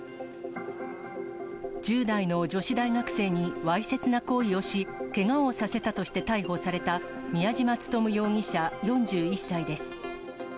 １０代の女子大学生にわいせつな行為をし、けがをさせたとして逮捕された、宮嶋力容疑者４１歳です。